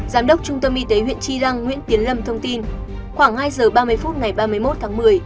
giám đốc trung tâm y tế huyện tri răng nguyễn tiến lâm thông tin khoảng hai h ba mươi phút ngày ba mươi một tháng một mươi